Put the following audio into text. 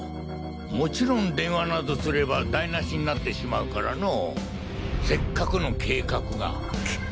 もちろん電話などすれば台無しになってしまうからのせっかくの計画が。